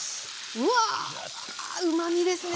うわうまみですね